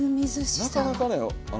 なかなかね